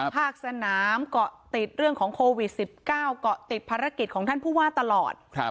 ภาคสนามเกาะติดเรื่องของโควิด๑๙เกาะติดภารกิจของท่านผู้ว่าตลอด